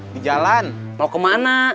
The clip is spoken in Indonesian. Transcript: di jalan mau kemana